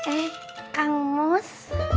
eh kang mus